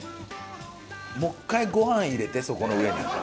もう一回ご飯入れてそこの上に。